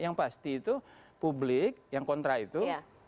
yang pasti itu publik yang kontra itu